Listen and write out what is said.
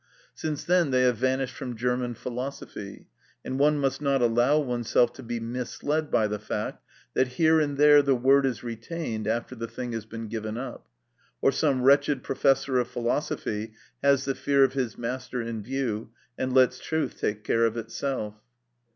Since then they have vanished from German philosophy, and one must not allow oneself to be misled by the fact that here and there the word is retained after the thing has been given up, or some wretched professor of philosophy has the fear of his master in view, and lets truth take care of itself.